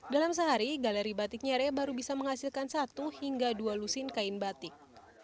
dalam sehari galeri batik nyere baru bisa menghasilkan satu hingga dua lusin kain batik